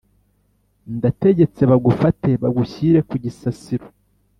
ndategetse bagufate bagushyire kugisasiro"